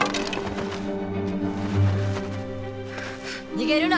逃げるな！